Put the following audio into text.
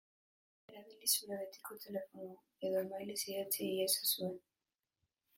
Erabili gure betiko telefonoa edo emailez idatz iezaguzue.